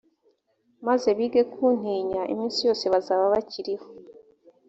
maze bige kuntinya iminsi yose bazaba bakiriho